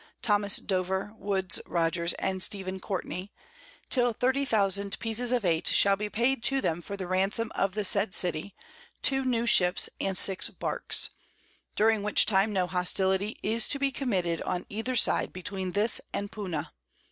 Tho. Dover, Woodes Rogers, and Stephen Courtney, till 30000 Pieces of Eight shall be paid to them for the Ransom of the said City, 2 new Ships, and 6 Barks; during which time no Hostility is to be committed on either Side between this and Puna.